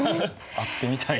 会ってみたい。